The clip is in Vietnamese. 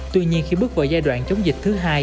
tuy nhiên khi bước vào giai đoạn chống dịch thứ hai